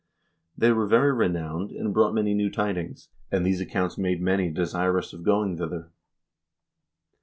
They were very renowned, and brought many new tidings, and these accounts made many desirous of going thither."